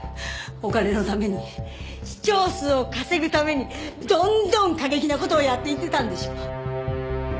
お金のために視聴数を稼ぐためにどんどん過激な事をやっていってたんでしょ？